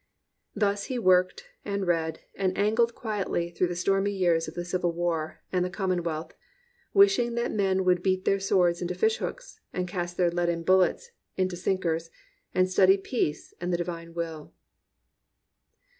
Thus he worked and read and angled quietly through the stormy years of the Civil War and the Commonwealth, wishing that men would beat their swords into fish hooks, and cast their leaden bullets into sinkers, and study peace and the Divine will.